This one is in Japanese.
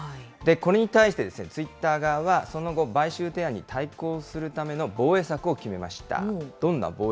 これに対してツイッター側は、その後、買収提案に対抗するための防衛策を決めました。